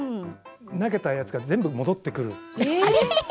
投げたやつがすべて戻ってくる。